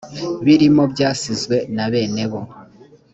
birimo byasizwe na bene bo